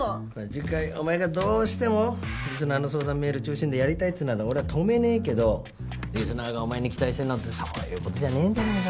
次回お前がどうしてもリスナーの相談メール中心でやりたいっつうなら俺は止めねえけどリスナーがお前に期待してんのってそういう事じゃねえんじゃねえか？